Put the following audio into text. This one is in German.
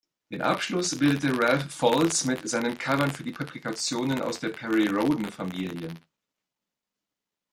Den Abschluss bildete Ralph Voltz mit seinen Covern für die Publikationen aus der Perry-Rhodan-Familie.